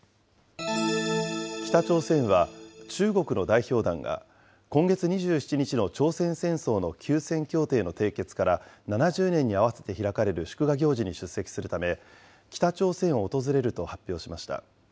北朝鮮は中国の代表団が、今月２７日の朝鮮戦争の休戦協定の締結から７０年に合わせて開かれる祝賀行事に出席するため、北朝鮮を訪れると発表しました。